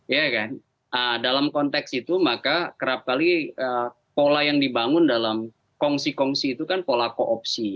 ya kan dalam konteks itu maka kerap kali pola yang dibangun dalam kongsi kongsi itu kan pola koopsi